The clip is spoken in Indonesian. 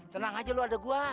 tenang aja lo ada gua